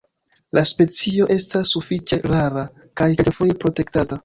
La specio estas sufiĉe rara kaj kelkfoje protektata.